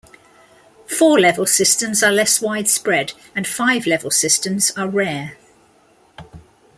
Four level systems are less widespread, and five level systems are rare.